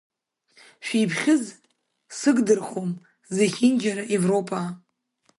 Шәиԥхьыӡ сыгдырхом зехьынџьара Европа…